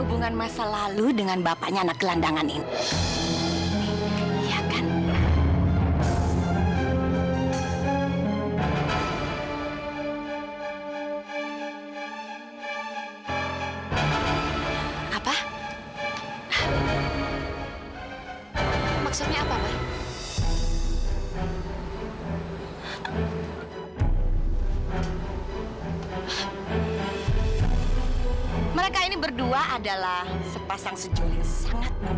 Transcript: sampai jumpa di video selanjutnya